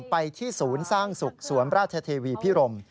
ไปที่ศูนย์สร้างสุขสวนราชเทวีพิรม